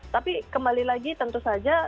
tapi kembali lagi tentu saja